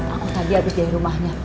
aku tadi abis deh rumahnya